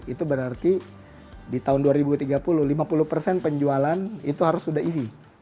itu berarti di tahun dua ribu tiga puluh lima puluh persen penjualan itu harus sudah ev